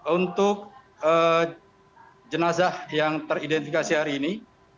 untuk jenazah yang teridentifikasi hari ini